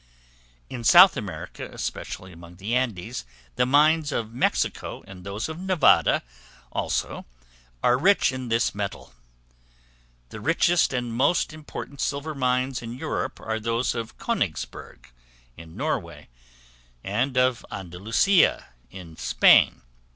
In South America, especially among the Andes; the mines of Mexico, and those of Nevada, also, are rich in this metal. The richest and most important silver mines in Europe are those of Königsberg, in Norway, and of Andalusia, in Spain.